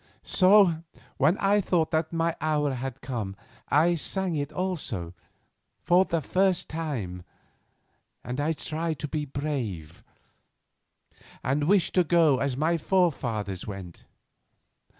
So, when I thought that my hour had come, I sang it also, for the first time, for I tried to be brave, and wished to go as my forefathers went.